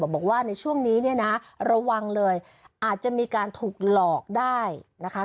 บอกว่าในช่วงนี้เนี่ยนะระวังเลยอาจจะมีการถูกหลอกได้นะคะ